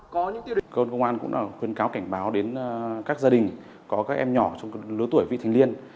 cơ quan công an cũng đã khuyên cáo cảnh báo đến các gia đình có các em nhỏ trong lứa tuổi vị thành liên